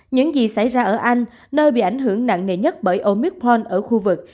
những gì xảy ra ở anh nơi bị ảnh hưởng nặng nề nhất bởi omikron ở khu vực